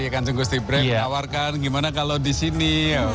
kansung gusti brey menawarkan gimana kalau disini